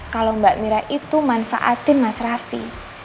kalau mbak mira itu manfaatin mas raffi